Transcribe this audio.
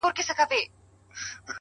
هره تجربه د ژوند نوی باب دی؛